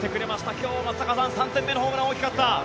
今日は松坂さん３点目のホームラン大きかった。